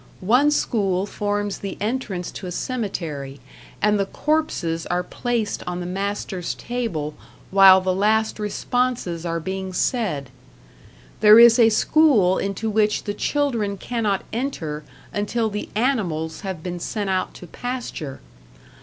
One school forms the entrance to a cemetery, and the corpses are placed on the master's table while the last responses are being said. There is a school into which the children cannot enter until the animals have been sent out to pasture.